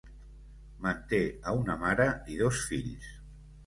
Manté a una mare i dos fills.